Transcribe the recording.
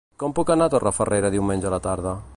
Com puc anar a Torrefarrera diumenge a la tarda?